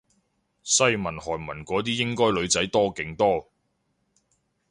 西文韓文嗰啲應該女仔多勁多